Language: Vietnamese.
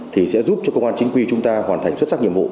thì sẽ giúp cho công an chính quy chúng ta hoàn thành xuất sắc nhiệm vụ